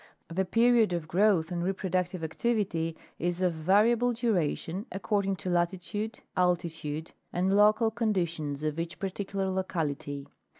The period of growth and reproductive activity is of variable duration, accord ing to latitude, altitude and local conditions of each particular locality.